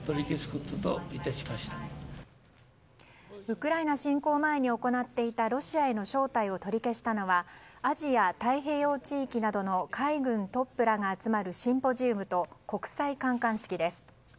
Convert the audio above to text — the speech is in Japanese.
ウクライナ侵攻前に行っていたロシアへの招待を取り消したのはアジア太平洋地域などの海軍トップらが集まるシンポジウムと国際観艦式です。